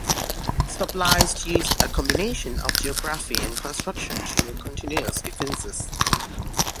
Stop Lines used a combination of geography and construction to make continuous defences.